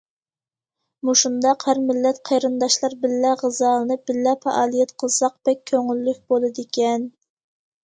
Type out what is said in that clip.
مۇشۇنداق ھەر مىللەت قېرىنداشلار بىللە غىزالىنىپ، بىللە پائالىيەت قىلساق بەك كۆڭۈللۈك بولىدىكەن.